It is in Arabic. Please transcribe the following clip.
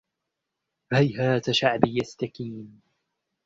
هيهات شعبي يستكين